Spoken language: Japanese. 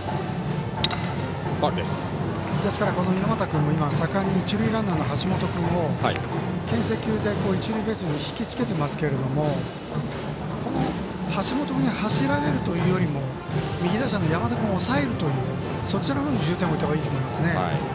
猪俣君も盛んに一塁ランナーの橋本君をけん制球で一塁ベースにひきつけてますけれども橋本君に走られるというよりも右打者の山田君を抑えるという方に重点を置いた方がいいと思いますね。